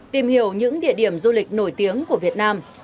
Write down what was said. tìm hiểu những địa điểm du lịch nổi tiếng của việt nam